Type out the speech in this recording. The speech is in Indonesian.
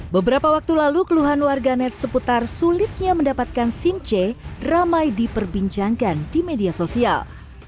beberapa waktu lalu keluhan warganet seputar sulitnya mendapatkan sim c ramai diperbincangkan di media sosial